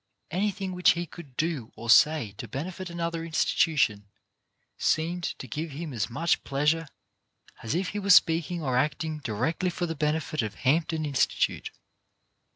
Any thing which he could do or say to benefit another institution seemed to give him as much pleasure as if he were speaking or acting directly for the benefit of Hampton Institute.